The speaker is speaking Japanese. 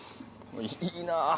いいなあ。